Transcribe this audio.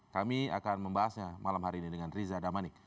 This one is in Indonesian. kami akan membahasnya malam hari ini dengan riza damanik